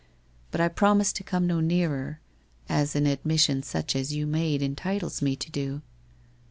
But I promise to come no nearer, as an admission such as you made entitles me to do.'